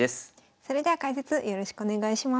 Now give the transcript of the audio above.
それでは解説よろしくお願いします。